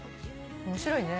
面白いね。